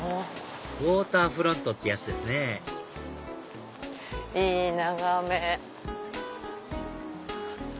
ウオーターフロントってやつですねいい眺め。